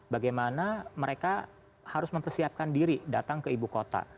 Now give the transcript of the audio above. bagaimana mereka harus mempersiapkan diri datang ke ibu kota